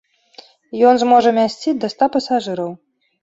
Ён зможа мясціць да ста пасажыраў.